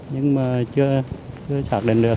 nhưng chưa xác định được